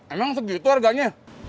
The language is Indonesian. emang segitu harganya